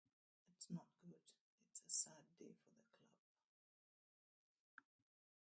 It's not good, it's a sad day for the club.